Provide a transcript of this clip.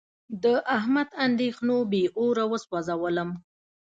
د احمد اندېښنو بې اوره و سوزولم.